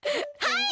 はい！